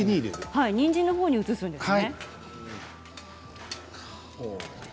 にんじんのほうに移すんですね。